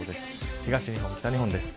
東日本、北日本です。